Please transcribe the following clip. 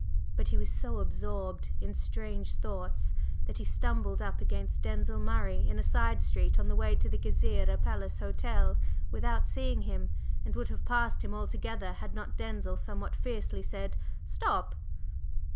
But he was so absorbed in strange thoughts, that he stumbled up against Denzil Murray in a side street on the way to the Gezireh Palace Hotel without seeing him, and would have passed him altogether had not Denzil somewhat fiercely said: "Stop!"